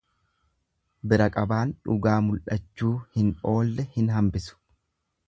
Bira qabaan dhugaa mul'achuu hin oolle hin hambisu.